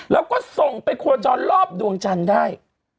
แล้วก็ส่งไปโคจรรอบดวงจันทร์ได้